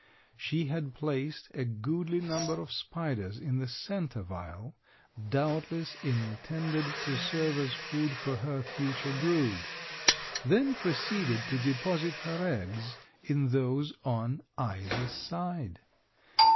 She had placed a goodly number of spiders in the center vial, doubtless intended to serve as food for her future brood, then proceeded to deposit her eggs in those on either side.